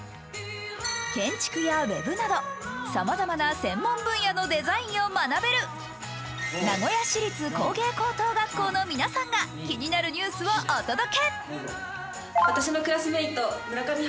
建築やウェブなどさまざまな専門分野のデザインを学べる、名古屋市立工芸高等学校の皆さんが気になるニュースをお届け。